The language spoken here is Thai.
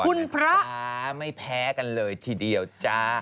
คุณพระจ๋าไม่แพ้กันเลยทีเดียวจ้า